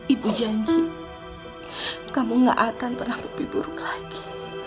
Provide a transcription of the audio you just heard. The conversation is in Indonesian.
ibu janji kamu gak akan pernah lebih buruk lagi